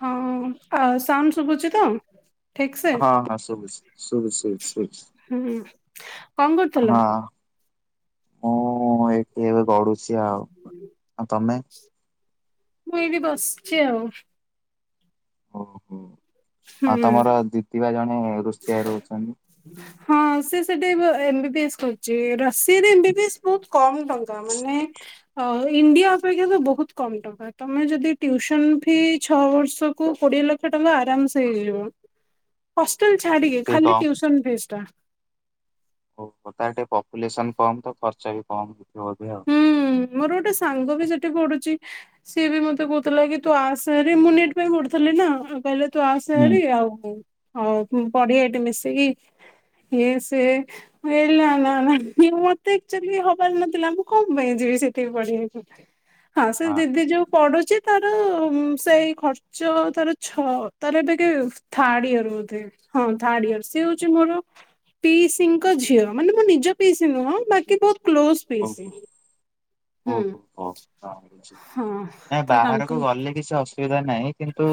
ହଁ ଆ ସାଉଣ୍ଡ ଶୁଭୁଛି ତ ଠିକ ସେ ହଁ ହଁ ଶୁଭୁଛି ଶୁଭୁଛି ସୁବ ସୁ ହୁଁ କଣ କରୁଥିଲ? ହ ଏଠି ଏବେ ଗଡୁ ଚି ଆଉ ତମେ? ମୁଁ ଏଇ ବସଛି ଆଉ। ଓହୋ। ଆଉ ହୁଁ ତମର ଦିିତିବା ଜଣେ ରୋଷେଇଆ ରହୁଛନ୍ତି। ହଁ ସେ ସେଟା ଏମବ ବି ଏସ୍ କରିଛି ରଷିଆରେସ୍ ବହୁତ କମ ଟଙ୍କା ମାନେ ଇଣ୍ଡିଆ ଅପେକ୍ଷା ତ ବହୁତ କମ ଟଙ୍କା ତମେ ଯଦି ଟୁସନ ଫି ଛଅ ବର୍ଷକୁୁ କୋଡିଏ ଲକ୍ଷ ଟଙ୍କା ଆରାମସ ହେଇଯିବ। ଟୋଟାଲ ଛାଡ଼ିକି ଏତେ ଖାଲି କମ ଟୁ ବିଏଚ ଟା। ଓ ତା ପପୁଲେସନ କମ ତ ଖର୍ଚ୍ଚ ବି କମ। ବୋଧେ ଆଉ। ହୁଁ ମୋର ଗୋଟେ ସାଙ୍ଗ ବି ସେଠି ପଢ଼ୁଛି। ସିଏ ବି ମତେ କହୁଥିଲା କି ତୁ ଆସ ହେରି ମୁଁ ନିଟ ପାଇଁ ପଢୁଥିଲି ନାଉ କହିଲେ। ତୁ ଆସ ହୁଁ। ହୋର ଆଉ ମୁ ହଉ ପଢିଆ ଏଠି ମିଶିକି ଇଏ ସିଏ ହେଲା ନା ନା ମତେ ଲେକଚର ହବାର ନଥିଲା ମୁଁ କ ପାଇଁ ଯିବି ସେଠିକି ପଢିବାକୁ- ହଁ ସେ ଦିଦି ଯୋଉ ପଢ଼ୁ ଚି ଯେ ତାର ସେଇ ଖର୍ଚ୍ଚ ତାର ଛ ତାର ଏବେ ଥାର୍ଡ ଇୟର ବୋଧେ ହଁ ଥାର୍ଡ ଇୟର ସ ହଉଛି ମୋର ପିଇସିଙ୍କ ଝିଅ ମାନେ ମୁଁ ନିଜ ପିଇସି ନୁହଁ ବାକି ବହୁତ କ୍ଲୋଜ ପିସ ଓହୋ ଓହୋ ହୋ ହଁ ତ ତାଙ୍କ ବାହାରକୁ ଗଲେ କିଛି ଅସୁବିଧା। ନାଇଁ କିନ୍ତୁ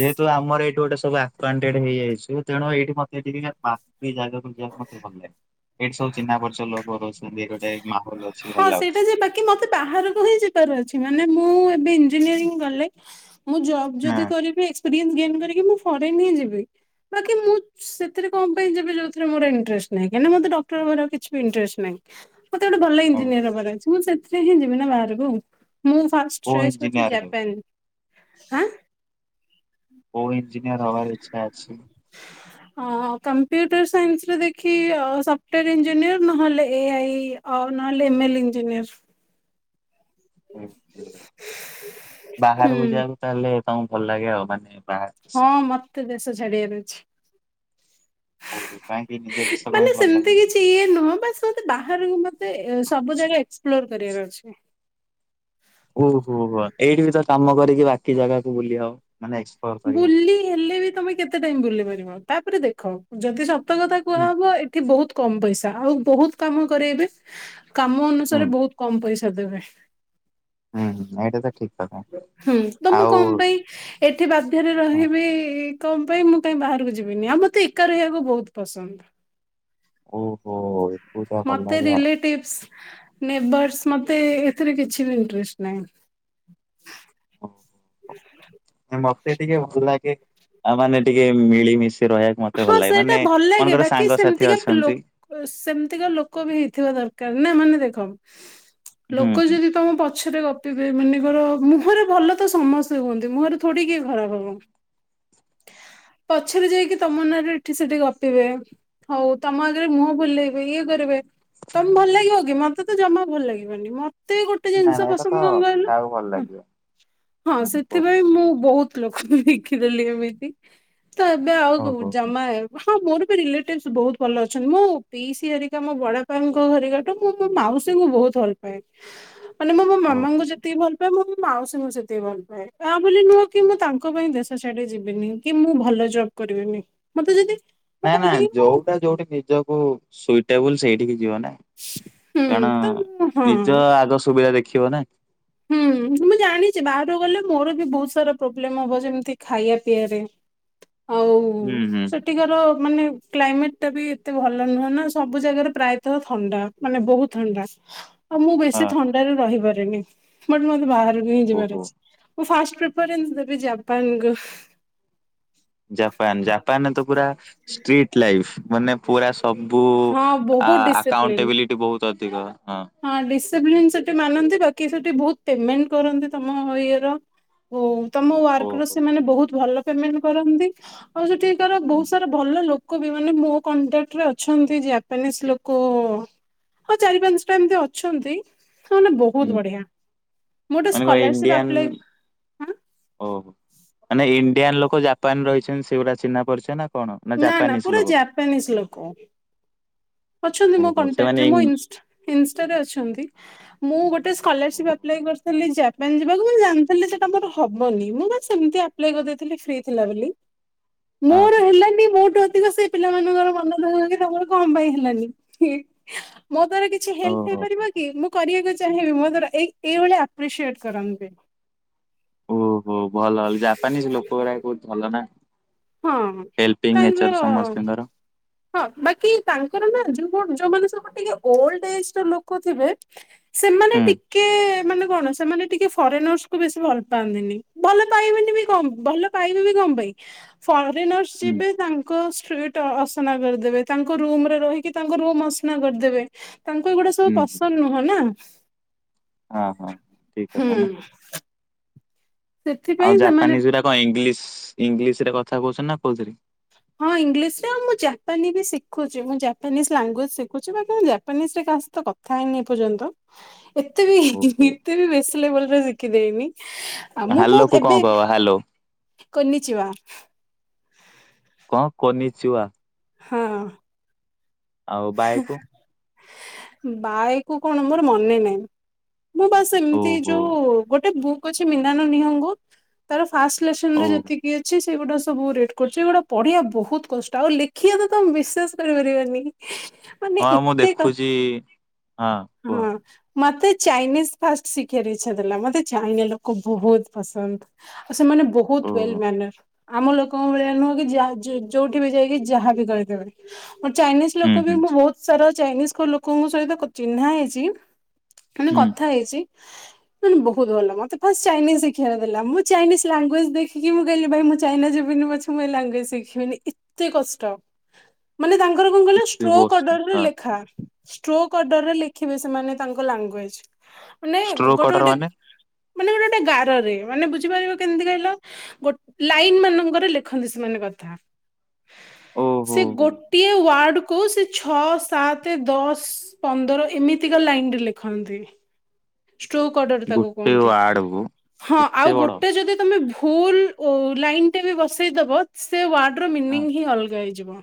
ଯେହେତୁ ଆମର ଏଇଠୁ ଗୋଟେ ସବୁ ଆକ କ୍ୱାଟେଣ୍ଟ ହେଇଯାଇଛି ତେଣୁ ଏଇଠି ମତେ ଏ ଟ ଦି ଜାଗାକୁ ଯିବାକୁ ମତେ ଭଲ ଲାଗେ ଏଇଠି ସବୁ ଚିହ୍ନା ପରିଚ ଲୋକ ରହୁଛନ୍ତି ଗୋଟେ ଅଛି ଭଲ ହଁ ଲାଗୁଛି। ସେଇଟା ଯିବାକି ମତେ ବାହାରକୁ ହିଁ ଯିବାର ଅଛି। ମାନେ ମୁଁ ଏବେ ଇଞ୍ଜିନିୟରିଂ ଗଲେ ମୁଁ ଜବ୍ ହଁ ଯଦି କରିବି [unintelligible] ଗେନ୍ କରିକି ମୁଁ ଫରେନ୍ ହିଁ ଯିବି ବାକି ମୁଁ ସେଥିରେ କ ପାଇଁ ଯିବି ଯୋଉ ଉଥିରେ ମୋର୍ ଇଣ୍ଟରେଷ୍ଟ ନାହିଁକିନା ମୋତେ ଡକ୍ଟର ବାଗେରା କିଛି ବି ଇଣ୍ଟରେଷ୍ଟ ନାହିଁ ମତେ ଗୋଟେ ଭଲ ହଉ ଇଞ୍ଜିନିୟର ହବାର ଅଛି ମୁଁ ସେ ସେ ହିଁ ଯିବି ନା ବାହାରକୁ ଆଉ ମୁଁ ଫାଷ୍ଟ କୋଉ ଚଏସ୍ କରଛି ଇଞ୍ଜିନିୟର ହେଉ ଜାପାନ ଆ କୋଉ ଇଞ୍ଜିିନିଆଁର ହବାର ଇଚ୍ଛା ଅଛି? ହ କମ୍ପ୍ୟୁଟ ଟର ସାଇନ୍ସରେ ଦେଖି ଅ ସଫ୍ଟଓୟାର ଇଞ୍ଜିନିୟର ନହେଲେ ଏ ଆଇ ଅର୍ ନହଲେ ଏମେଏଲ ଇଞ୍ଜିନିୟର ବାହାରକୁ ହୁଁ ଯିବାକୁ ତାହେଲେ ହ ଭଲ ଲାଗେ ଆଉ ମାନେ ବାହାର ଦେଶ? ହଁ ମତେ ଦେଶ ଝଡିବାର ଅଛି। ଓହୋ, କାହିଁକି ନିଜ ଦେଶ ପାଇଁ ମାନେ ଭଲ ସେମିତି ଲାଗୁନି। କିଛି ଇଏ ନୁହଁ ବା ମତେ ବାହାରକୁ ମତେ ସବୁ ଜାଗା ଏକ୍ସପ୍ଲୋର କରିବାର ଅଛି ଓହୋ ହୋ ଏଇଠି ବି ତ କାମ କରିକି ବାକି କି ଜାଗାକୁ ବୁଲି ହବ। ମାନେ ଏକ୍ସପ୍ଲୋର କରିହବ। ବୁଲି ହେଲେ ବି ତମେ କେତେ ଟାଇମ ବୁଲି ପାରିବ? ତାପରେ ଦେଖ ଯଦି କଥା କୁହା ହୁଁ ହବ ଏଠି ବହୁତ କମ ପଇସା ଆଉ ବହୁତ କାମ କରେଇବେ କାମ ହୁଁ ଅନୁସାରେ ବହୁତ କମ ପଇସା ଦେବେ ହୁଁ ହୁଁ ଏଇଟା ତ ଠିକ କଥା ହୁଁ ତ ମୁଁ ଆଉ କଣ ପାଇଁ ଏଠି ବାଧ୍ୟରେ ହଁ, ରହିବି କଣ ପାଇଁ ମୁଁ କାଇହିଁ ବାହାରକୁ ଯିବିନି ଆଉ ମତେ ଏକା ରହିବାକୁ ବହୁତ ପସନ୍ଦ। ଓ ମତେ ରିଲେଟିଭସ ନେବର୍ସ ମ ତ ଏଥିରେ କିଛି ବି ଇନ୍ତ୍ରେଷ୍ଟ ନାହିଁ। ହୁଁ। ହଁ, ମତେ ଟିକେ ଭଲ ଲାଗେ ଆଉ ମାନେ ଟିକେ ମିଳିମିଶି ରହିବାକୁ ମତେ ଭଲ ହଁ ଲାଗେ ସେଇଟା ମାନେ ଭଲ ଲାଗେ ମନେକର ବାକି ସାଙ୍ଗସାଥି ଅଛନ୍ତି ସେମିତିକା ଲୋକ ବି ହେଇଥିବା ଦରକାର। ନା ମାନେ ଦେଖମ୍ ହୁଁ ହୁଁ ଲୋକ ଯଦି ତମ ପ ପଛରେ ଗପିବେ ମନେକର ମୁହରେ ଭଲ ତ ସମସ୍ତେ ହୁଅନ୍ତି ମୁହଁରେ ଥଡିକିଏ ଖରାପ ହବ। ପଛରେ ଯାଇକି ତମ ମନରେ ଏଠି ସେଠି ଗପିବେ ହଉ ତମ ଆଗରେ ମୁହଁ ଭୁଲେଇବେ, ଇଏ କରିବେ। ତମେ ଭଲ ଲାଗିବ କି? ମତେ ତ ଜମା ଭଲ ଲାଗିବନି। ମତେ ଏତେ ଗୋଟେ ନା ଜିନିଷ ନା ଏଇଟା ତ ପସନ୍ଦ କଣ କହି, କାହାକୁ ଭଲ ଲାଗିବ ହଁ ଓହୋ ସେଥିପାଇଁ ମୁଁ ବହୁତ ଲୋକଙ୍କୁ ଦେଖିଦେଲି ଏମିତି ତ ଏବେ ଆଉ କୁ ଓହୋ ହୋ, ଜମା ହଁ ମୋର ରିଲେଟିଭସ ବହୁତ ଭଲ ଅଛନ୍ତି। ମୋ ପିଇସି ହରିକା ମୋ ବଡପାଙ୍କ ଘରିକାଙ୍କଠୁ ମୁଁ ମୋ ମାଉସୀଙ୍କୁ ବହୁତ ଭଲ ପାଏ। ମାନେ ମୁଁ ମୋ ଓହୋ। ମାମାଙ୍କୁ ଯେତିକି ଭଲ ମୁଁ ମୋ ମାଉସୀଙ୍କୁ ସେତିକି ଭଲ ପାଏ। ତା ବୋଲି ନୁହଁ କି ମୁଁ ତାଙ୍କ ପାଇଁ ଦେଶ ଛାଡି ଯିବିନି କି ମୁଁ ଭଲ ଜବ କରିବିନି। ମତେ ଯଦି ନା ନା କି ମୁଁ ଯୋଉଟା ଯୋଉଠି ନିଜକୁ ସ୍ଵିଟେବଲ୍ ସେଇଠିକି ଯି ଯିବ ନା ହୁଁ କାରଣ ତ ମୁଁ ହଁ ନିଜ ଆଗ ସୁବିଧା ଦେଖ ଖିବ ନା। ହୁଁ ମୁଁ ଜାଣିଛି ବାହାରକୁ ଗଲେ ମୋର ବି ବହୁତ ସାରା ପ୍ରୋବ୍ଲେମ ହବ ଯେମିତି ଖାୟା ପିଆରେ ଆଉ ହୁଁ ହୁଁ ସେଠିକାର ମାନେ କ୍ଲାଇମେଟ ଟା ବି ଏତେ ଭଲ ନୁହଁ ନା ସବୁ ଜାଗାରେ ପ୍ରାୟତଃ ଥଣ୍ଡା ମାନେ ବହୁତ ଥଣ୍ଡା। ଆଉ ମୁଁ ହଁ ବେଶୀ ହଁ ଥଣ୍ଡାରେ ରହିପାରେନି। ବଟ ମୋତେ ବାହା ଓହୋ। [unintelligible] ମୁଁ ଫାଷ୍ଟ ପ୍ରିଫରେନ୍ସ ଦେବି ଜାପାନକୁ ଷ୍ଟ୍ରିଟ୍ ଲାଇଫ୍। ମାନେ ପୁରା ସବୁ ହଁ ଆ ବହୁତ ଡିସିପ୍ଲିନ ଆକାଉଣ୍ଟବିଲିଟି ବହୁତ [unintelligible] ଧିକ। ହଁ ଡିସ୍ ପ୍ଲିନ୍ ସେଠି ମାନନ୍ତି ବାକି ସେଠି ବହୁତ ପେମେଣ୍ଟ କରନ୍ତି ତମ ଇଏର ଉଁ ତମ ୱାର୍କର ଓହୋ। ସେମାନେ ବହୁତ ଭଲ ପେମେଣ୍ଟ କରନ୍ତି। ଆଉ ସେଠି ତର ହୁଁ ବହୁତ ସାରା ଭଲ ଲୋ କବି ମାନେ ମୋ କଣ୍ଟାଟରେ ଅଛନ୍ତି ଜାପାନିଜ ଲୋକ। ହଁ ଚାରି ପାଞ୍ଚ ଟା ଏମତି ଅଛନ୍ତି। ସେମାନେ ବହୁତ ହୁଁ। ବଢିଆ। ମୁଁ ଗୋଟେ ମାନେ କଣ ସ୍କଲାରସିପ ଇଣ୍ଡିଆନ ଆପ୍ଲାଏ ଆଁ ଓହୋ। ମାନେ ଇଣ୍ଡିଆନ ଲୋକ ଜାପାନରେ ରହିଚନ୍ତି ସେଗୁଡା ଚିହ୍ନା ପରିଚ ନା କଣ ନା ନା ଜାପାନିଜ ପୁରା ଲୋକ ଜାପାନିଜ ଲୋକ। ଅଛନ୍ତି ମୋ ଓହୋ ସେମାନେ କଣ୍ଟାକ୍ଟରେ ଇଂ ମୋ ଇନ୍ସ ମୋ ଇନସ୍ଟାରେ ଅଛନ୍ତି। ମୁଁ ଗୋଟେ ସ୍କଲାରସିପ୍ ଓହୋ। ଆପ୍ଲାଏ କରିଥିଲି ଜାପାନ ଯିବାକୁ। ମୁଁ ଜାଣିଥିଲି ସେଟା ମୋର ହବନି। ମୁଁ ବସ୍ ଏମିତି ଆପ୍ଲାଏ କରିଦେଇଥିଲି ଫ୍ରି ଥିଲା ବୋଲି ହଁ ମୋର ହଁ ହେଲାନ୍ ମୋଠୁ ଅଧିକ ସେ ପିଲାମାନଙ୍କର ମନ ଦୁଃଖ କି ତମର କଣ ପାଇଁ ହେଲାନି। ହିଁ, ମୋ ଦ୍ଵାରା କିଛି ହେଲ୍ପ ଓହୋ ହେଇପାରିବ କି? ମୁଁ କରିଆକୁ ଚାହିଁବି ମୋ ଦ୍ବାରା ଏ -ଏଇଭଳିଆ ଆପ୍ରିସିଏଟ କରନ୍ତି। ଓହୋ ଭଲଲା ଜାପାନିଜ୍ ଲୋକ ଗୋରା ବହୁତ ଭଲ ନା। ହଁ ହେଲ୍ପିଙ୍ଗ ନେଚର ତାଙ୍କର ସମସ୍ତଙ୍କର ହଁ ବାକି ତାଙ୍କର ନା ଯୋଉ। ଯୋଉଁ ମାନେ ସବୁ ଟିକେ ଓଲ୍ଡ ଏଜ ର ଲୋକ ଥିବେ ସେମାନେ ହୁଁ ଟିକେ ମାନେ କଣ ସେମାନେ ଟିକେ ଫରେନର୍ସ କୁ ବେଶୀ ଭଲ ପାଆନ୍ତିନି ଭଲ ପାଇବେନି ବି କ ଭଲ ପାଇବେ ବି କଣ ପାଇଁ। ଫର୍। [unintelligible] ସିଏ ହୁଁ ବି ତାଙ୍କ ସି ଫ୍ଲୁଇଟ ଅସନା କରିଦେବେ ତାଙ୍କ ରୁମରେ ରହିକି ତାଙ୍କ ରୁମ ଅସନା କରିଦେବେ। ତାଙ୍କୁ ଏଗୁଡା ହୁଁ ସବୁ ହୁଁ ପସନ୍ଦ ନୁହଁ ନା। ହଁ ହଁ ଠିକ୍ ହୁଁ କଥା ନା। ସେଥିପାଇଁ ଆଉ ସେମାନେ ଜାପାନିଜ ଗୁଡା କଣ ଇଂଲିଶ ଇଂଲିଶ ରେ କଥା କହୁଛନା କୋଉଥିରେ? ହଁ ଇଂଲିଶରେ ଆଉ ମୁଁ ଜାପାନୀ ବି ଶିଖୁଛି ମୁ ଜାପାନିଜ୍ ଲାଙ୍ଗୁଏଜ ଶିଖୁଛି ବା ମୁଁ ଜାପାନିଜ୍ ରେ କାହା ସହିତ କଥା ହେଇନି ଏ ପର୍ଯ୍ୟନ୍ତ। ଏତେ ବି ଓହୋ ଏତେ ବି ବେଶି ଲେବଲ ର ଶି କି ଦେଇନି। ଆ ମୁଁ ତ ହାଲୋ କୁ କଣ ଏବେ କହିବ ହାଲୋ କୁନି ଚୁଆ। କଣ କନିଜ୍। ସିୱା। ହଁ । ଆଉ ବାଏ କୁ? ବାୟକୁ କଣ ମୋର ମନେ ନାହିଁ । ମୁଁ ବାସ ଏମିତି ଓହୋ ଯୋଉ ଗୋଟେ ବୁକ୍ ଅଛି ମିନାନା ନିହୁଙ୍ଗୁ ତାର ଆସ୍ଲେଶନ ରେ ଓହୋ ଯେତିକି ଅଛି ସ ଏଇ ଗୁଡ଼ା ସବୁ ରେଟ୍ କରୁଛି ଏଇଗୁଡ଼ା ପଢିଆ ବହୁତ କଷ୍ଟ ଆଉ ଲେଖିବା ତ ତମ ବିଶ୍ୱାସ କରିପାରିବନି। ହଁ ମୁଁ ଦେଖୁଛି। ହଁ କୁହ ହଁ। ମତେ ଚାଇନିଜ୍ ଫାଷ୍ଟ ଶିଖିଆର ଇଚ୍ଛା ଥିଲା ମତେ ଚାଇନା ଲୋକ ବହୁତ ପସନ୍ଦ। ସେମାନେ ବହୁତ ୱେଲ୍ ଓହୋ ମ୍ୟାନର। ଆମ ଲୋକଙ୍କ ଭଳିଆ ନୁହଁ କି ଯା ଯୋଉଠି ବି ଯାଇକି ଯାହା ବି କରିଦେବେ। ଚାଇନିଜ୍ ହୁଁ ଲୋକ ବି ହୁଁ ମୁଁ ବହୁତ ସାରା ଚାଇନିଜ ଙ୍କ ଲୋକଙ୍କ ସହିତ କ ଚିହ୍ନା ହେଇଛି। ମାନେ ହୁଁ କଥା ହେଇଛି। ବହୁତ ଭଲ ମତେ ଫାଷ୍ଟ ଚାଇନିଜ ଶିଖିଆର ଥିଲା ମୁଁ ଚାଇନିଜ ଲାଙ୍ଗୁଏଜ ଦେଖିକି ମୁଁ କହିଲି ଭାଇ ମୁଁ ଚାଇନା ଯିବିନି ପଛେ ମୁଁ ଏ ଲାଙ୍ଗୁଏଜ ଶିଖିବିନି ଏତେ କଷ୍ଟ ମାନେ ତା। ତାଙ୍କର କଣ କହିଲ ଏତେ ଷ୍ଟ୍ରୋକ ବର୍ଷ ଅଡର ର ହଁ ଲେଖା। ଷ୍ଟ୍ରୋକ କଡ଼ରରେ ଲେଖିବେ ସେମାନେ ତାଙ୍କ ଲାଙ୍ଗୁଏଜ। ମାନେ ଷ୍ଟ୍ରୋ ଗୋଟେ କଟର ଗୋଟେ ମାନେ ମାନେ ଗୋଟେ ଗୋଟେ ଗାରରେ ମାନେ ବୁଝିପାରିବ କେମତି କହିଲ ଗୋଟେ ଲାଇନ ମାନଙ୍କରେ ଲେଖନ୍ତି ସେମାନେ କଥା ଓହୋ ସେ ହୋ ଗୋଟିଏ ୱାର୍ଡକୁ କଉ ସେ ଛଅ ସାତ ଦଶ ପନ୍ଦର ଏମିତିକା ଲାଇନ ରେ ଲେଖନ୍ତି। ଷ୍ଟୋକ ଅଡର ତାକୁ ଗୋଟେ କୁହନ୍ତି ୱାର୍ଡ କୁ ହଁ ଏତେ ଆଉ ବଡ ଗୋଟେ ଯଦି ତମେ ଭୁ ଭୁଲ ଓ ଲାଇନ୍ ଟେ ବି ବସେଇଦବ ସେ ୱାଡ ହଁ ମିନିଂ ହି ଅଲଗା ହେଇ ଯିବ।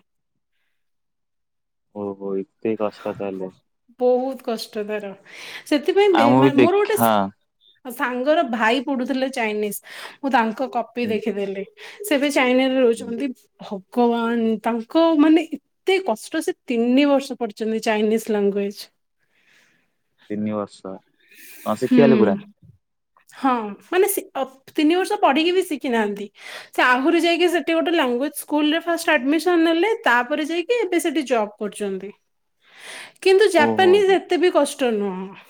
ଓ ହୋ ଇ ଏତେ କଷ୍ଟ ତାହେଲେ କଷ୍ଟକର ସେଥିପାଇଁ ବେ ଆଉ ମୁଁ ବି ମୋର ଗୋଟେ ଦେଖା ସା ସାଙ୍ଗର ଭାଇ ପଡୁଥିଲେ ଚାଇନିଜ୍ ମୁଁ ତାଙ୍କ କ କପି ହୁଁ ଦେଖିଦେଲି। ସେ ବି ଚାଇନା ରେ ହୁଁ ରହୁଛନ୍ତି ହଉ। କୱାନ ତାଙ୍କ ମାନେ ଏତେ କଷ୍ଟ ସେ ତିନି ବର୍ଷ ପଡି ଚିନି ଚାଇନିଜ୍ ଲାଙ୍ଗୁଏଜ। ତିନିିବର୍ଷ। ହଁ ହୁଁ ଶିଖିଗଲି ପୁରା। ହଁ ମାନେ ଅ ତିନି ବର୍ଷ ପଢିକି ବି ଶିଖିନାହାନ୍ତି ସେ ଆହୁରି ଯାଇକି ସେଠି ଗୋଟେ ଲାଙ୍ଗୁଏଜ ସ୍କୁଲ ରେ ଫାଷ୍ଟ ଆଡ଼ମିସନ ନେଲେ ତାପରେ ଯାଇକି ଏବେ ସେଠି ଜବ କରୁଛନ୍ତି। କିନ୍ତୁ ଓହୋ ଜାପାନିଜ୍ ହୋ ଏତେ ବି କଷ୍ଟ କଷ୍ଟ ନୁହଁ।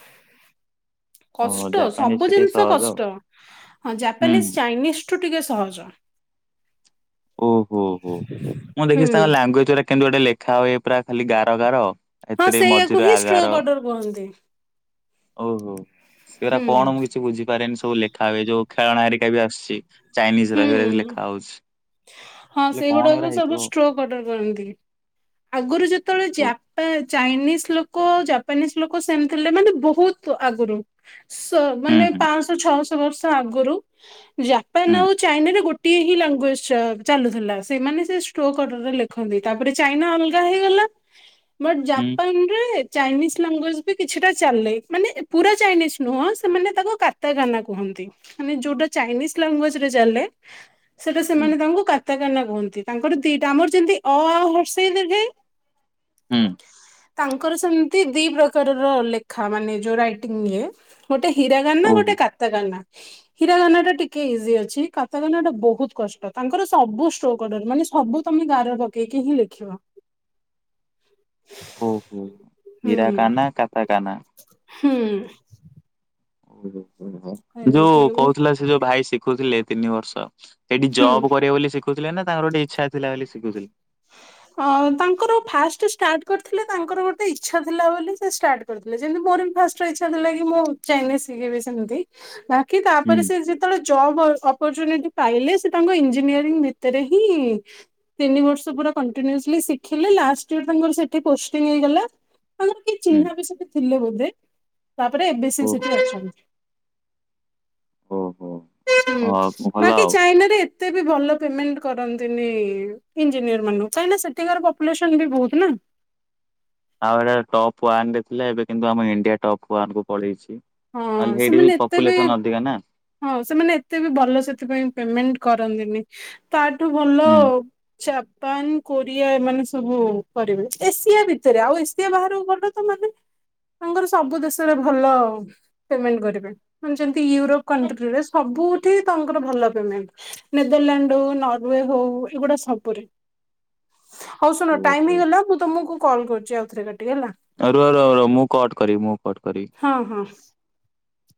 ଓହୋ କଷ୍ଟ ଜାପାନିଜ ସବୁ ଟା ଟିକେ ଜିନିଷ ସହଜ ଆଉ କଷ୍ଟ ହଁ ଜାପାନିଜ୍ ହୁଁ ଚାଇନିଜ୍ ଠୁ ଠିକେ ସହଜ। ଓହୋ ହୋ ମୁଁ ହୁଁ ଦେଖିଛି ତାଙ୍କ ଲାଙ୍ଗୁଏଜ ଗୁଡା କେମିନ୍ତି ଗୋଟେ ଲେଖା ହୁଏ। ପୁରା ଖାଲି ଗାର ଗାର। ହଁ ଏଥିରେ ସେଇଆକୁ ମଝିରେ ହିଁ ଆଗାର ଷ୍ଟ୍ରୋକ୍ ଅର୍ଡର କୁହନ୍ତି। ଓହୋ ସେଗୁରା ହୁଁ କଣ ମୁଁ କିଛି ବୁଝିପାରେନି ସବୁ ଲେ ଯୋଉ ଖେଳଣା ହାରିକା ବି ଆସୁଛି। ଚାଇନିଜ ର ହୁଁ ହେଗୁରା ହୁଁ ଲେଖା ହଉଛି ହଁ ହେଲେ ସେ କଣ ଗୋଡାକୁ ଏଗୁରା ସବୁ ହେଇଥିବ ଷ୍ଟ୍ରୋକ୍ ଅର୍ଡର କରନ୍ତି। [unintelligible] ଆଗରୁ ଯେତେବେଳେ ଓହୋ ଜାପା ଚାଇନିଜ ଲୋକ ଜାପାନିଜ ଲୋକ ସେମିଥିଲେ ମାନେ ବହୁତ ଆଗରୁ ହୁଁ ମାନେ ହୁଁ ପାଞ୍ଚଶହ ଛଅଶହ ବର୍ଷ ଆଗରୁ ହୁଁ ଜାପାନ ଆଉ ଗୋଟିଏ ହିଁ ଲାଙ୍ଗୁଏଜ ଚାଲୁଥିଲା ସେମାନେ ସେ ଷ୍ଟୋ କଡ଼ରେ ଲେଖନ୍ତି ତାପରେ ଚାଇନାଅଲଗା ହେଇଗଲା। ବଟ ହୁଁ ଜାପାନ ରେ ଚାଇନିଜ ଲାଙ୍ଗୁଏଜ ବି କିଛିଟା ଚାଲେ ମାନେ ପୁରା ଚାଇନିଜ ନୁହଁ ସେମାନେ ତାକୁ କାତା ଗାନା କୁହନ୍ତି ମାନେ ଯୋଉଟା ଚାଇନିଜ ଲାଙ୍ଗୁଏଜ ରେ ଚାଲେ ସେଇଟା ସେମାନେ ତାଙ୍କୁ କାତା କାନା କୁହନ୍ତି। ତାଙ୍କର ଦିଟା ଆମର ଯେମତି ଅ ଆ ଆଉ ହର୍ଷେଇେ ଦୀର୍ଘଇ ହୁଁ, ତାଙ୍କର ସେମିତି ଦି ପ୍ରକାରର ଲେଖା ମାନେ ଯୋଉ ରାଇଟିଂ ଇଏ ଗୋଟେ, ହୀରା ରାନା ଓହୋ ଗୋଟେ କାତାକାନା, ହୀରା ଗାନା ଟା ଟିକେ ଇଜି ଅଛି। କାତା କାନ ଟା ବହୁତ କଷ୍ଟ ତାଙ୍କର ସବୁ ଷ୍ଟଡର ମାନେ ସବୁ ତମେ ଗାଁ ରେ ପକେଇକି ହିଁ ଲେଖିବ। ଓହୋ ହୁଁ ହୀରାକାନ କାତାକାନା, ହୁଁ, ହ ହ, ଏମିତି ଯୋଉ ହୁଁ କହୁଥିଲା ସେ ଯୋଉ ଭାଇ ଶି ଦେଖୁଥିଲେ ତିନି ବର୍ଷ। ସେଇଠି ଜବ୍ କରିବ ବୋଲି ସେ ବୁଝିଲେନା ତାଙ୍କର ଗୋଟେ ଇଚ୍ଛା ଥିଲା ବୋଲି ଶିଖୁଥିଲେ। ଅ ତାଙ୍କର ଫାଷ୍ଟ ଷ୍ଟାର୍ଟ କରିଥିଲେ ତାଙ୍କର ଗୋଟେ ଇଚ୍ଛା ଥିଲା ବୋଲି ସେ ଷ୍ଟାର୍ଟ କରିଥିଲେ ଯେମିତି ମୋର ବି ଫାଷ୍ଟ ଇଛା ଥିଲା କି ମୁଁ ଚାଇନିଜ ଶିଖିବି। ସେମିତି ନା କି ହୁଁ ତାପରେ ସେ ଯେତେବେଳେ ଜବ ଅପରଚୁନିଟି ପାଇଲେ ସେ ତାଙ୍କ ଇଞ୍ଜିନିୟରିଂ ଭିତରେ ହିଁ ତିନି ବର୍ଷ ପୁରା କଣ୍ଟିନିଅସଲି ଶିଖିଲେ ଲାଷ୍ଟ ବେଳେ ତାଙ୍କର ସେଠି ପୋଷ୍ଟିଙ୍ଗ ହେଇଗଲା। ଆମର କିଏ ହୁଁ। ଚିହ୍ନା ବିଷୟରେ, ଥିଲେ ବୋଧେ । ତାପରେ ଏ ବେ ସିଏ ଓହୋ ସେଠି ଅଛନ୍ତି । ଓହୋ ହଁ ଭଲ ବାକି ଆଉ। ଚାଇନାରେ ଏତେ । ତେ ବି ଭଲ ପେମେଣ୍ଟ କରନ୍ତିନି ଇଞ୍ଜିନିୟର ମାନଙ୍କୁ । କାହିଁକନା ସେଠିକାର ପପୁଲେସନ ବି ବହୁତ ନା । ଆଉ ଏଟା ଟପ୍ ୱାନ ରେ ଥିଲା ଏବେ କିନ୍ତୁ ଆମ ଇଣ୍ଡିଆ ଟପ୍ ୱାାନ କୁ ପଳେଇଛି । ହଁ ସେମାନେ ଏତେ ବି ନା। ହଁ ସେମାନେ ଏତେ ବି ଭଲ ସେଥିପାଇଁ ପେମେଣ୍ଟ କରନ୍ତିନି । [unintelligible] ତାଠୁ ଭଲ ହୁଁ। । ଜାପାନ କୋରିଆ ଏମାନେ ସବୁ କରିବେ ଏସିଆ ଭିତରେ ଆଉ ଏସିଆ ବାହାରକୁ ଗଲେ ତ ମାନେ ତାଙ୍କର ସବୁ ଦେଶରେ ଭଲ । ପେମେଣ୍ଟ କରିବେ ମାନେ ଯେ ୟୁରୋପ କଣ୍ଟ୍ରିରେ ସବୁଠି । ତାଙ୍କର ଭଲ ପେମେଣ୍ଟ ନେଦରଲ୍ୟାଣ୍ଡ ହଉ ନରୱେ ହଉ ଏଗୁଡା ସବୁରି। ହଉ ଶୁଣ ଟାଇମ ହେଇଗଲା ମୁଁ ତମକୁ କଲ କରୁଛି ଆଉଥରେ କାଟି ଆ ରୁହ ରୁହ ରୁହ ମୁଁ କଟ କରିିବି ମୁଁ କଟ । ହଁ ହଁ ।